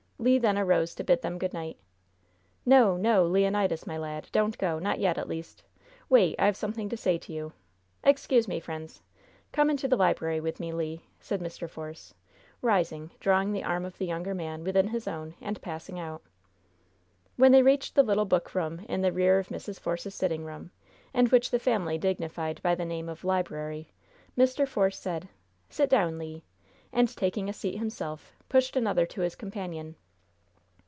Le then arose to bid them good night. "No, no, Leonidas, my lad! Don't go! Not yet, at least. Wait; I have something to say to you. Excuse me, friends! Come into the library with me, Le," said Mr. Force, rising, drawing the arm of the younger man within his own and passing out. When they reached the little book room in the rear of Mrs. Force's sitting room, and which the family dignified by the name of library, Mr. Force said: "Sit down, Le." And taking a seat himself, pushed another to his companion.